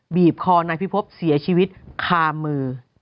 บีบคอนายพิพบเสียชีวิตคามือ